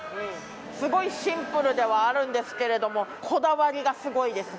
すごいシンプルではあるんですけれどもこだわりがすごいですね